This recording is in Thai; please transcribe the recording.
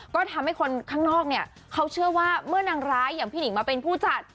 ก็ทำให้คนข้างนอกเนี่ยเขาเชื่อว่าเมื่อนางร้ายอย่างพี่หนิงมาเป็นผู้จัด